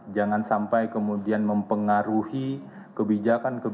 jangan sampai kemudian mempengaruhi kebijakan kebijakan